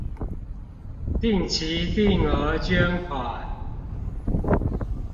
定期定額捐款